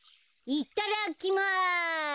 いっただきます！